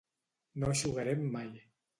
No eixugarem mai.